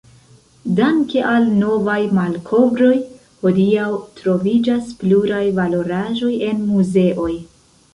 Danke al novaj malkovroj, hodiaŭ troviĝas pluraj valoraĵoj en muzeoj.